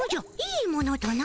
いいものとな？